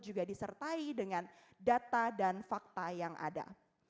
juga disertai dengan data dan fakta yang ada